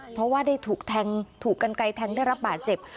เพราะว่าได้ถูกแทงถูกกันไกลแทงได้รับบาดเจ็บ